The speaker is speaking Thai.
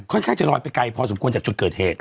ข้างจะลอยไปไกลพอสมควรจากจุดเกิดเหตุ